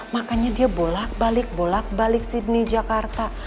makanya dia bolak balik bolak balik sydney jakarta